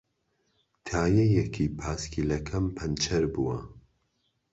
تایەیەکی پایسکلەکەم پەنچەر بووە.